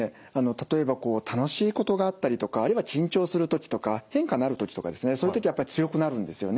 例えばこう楽しいことがあったりとかあるいは緊張する時とか変化のある時とかですねそういう時はやっぱり強くなるんですよね。